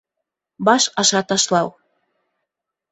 Баш аша ташлау